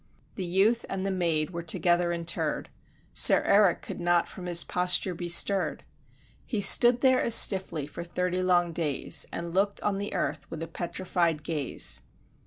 The youth and the maid were together interr'd, Sir Erik could not from his posture be stirr'd: He stood there, as stiffly, for thirty long days, And look'd on the earth with a petrified gaze.